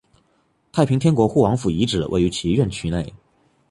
太平天国护王府遗址位于其院区内。